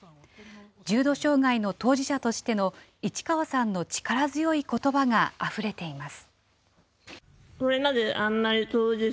重度障害の当事者としての市川さんの力強いことばがあふれています。